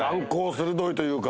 鋭いというか。